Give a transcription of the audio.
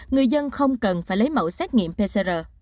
người dân không cần phải lấy mẫu xét nghiệm pcr